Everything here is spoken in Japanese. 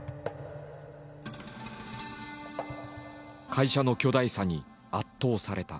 会社の巨大さに圧倒された。